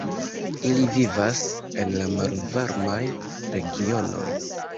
Ili vivas en la malvarmaj regionoj.